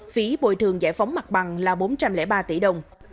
phí bồi thường giải phóng mặt bằng là bốn trăm linh ba tỷ đồng